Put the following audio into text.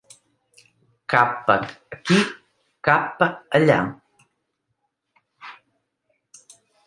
Kappa aquí kappa allà...